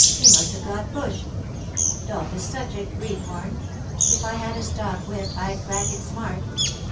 They must have got bushed Dolph is such a greenhorn. If I had a stock whip, I'd crack it smart.